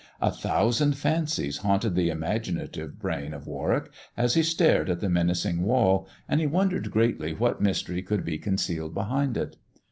A thousand fancies haunted the 24 THE dwarf's chamber imaginative brain of Warwick as he stared at the menacing wall, and he wondered greatly what mystery could be con cealed behind it.